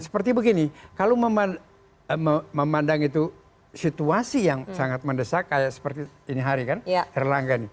seperti begini kalau memandang situasi yang sangat mendesak seperti hari ini kan erlaga ini